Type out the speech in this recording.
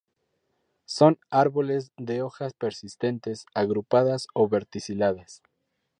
Son árboles de hojas persistentes, agrupadas o verticiladas.